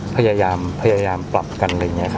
พยายามปรับกัน